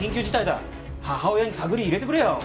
母親に探り入れてくれよ。